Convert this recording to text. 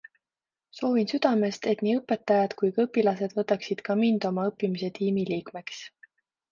Soovin südamest, et nii õpetajad kui ka õpilased võtaksid ka mind oma õppimise tiimi liikmeks.